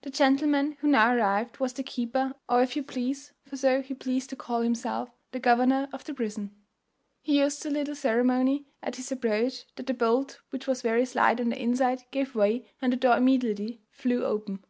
_ The gentleman who now arrived was the keeper; or, if you please (for so he pleased to call himself), the governor of the prison. He used so little ceremony at his approach, that the bolt, which was very slight on the inside, gave way, and the door immediately flew open.